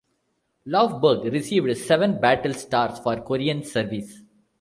"Lofberg" received seven battle stars for Korean service.